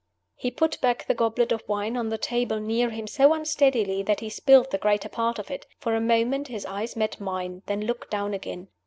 He put back the goblet of wine on the table near him so unsteadily that he spilled the greater part of it. For a moment his eyes met mine, then looked down again.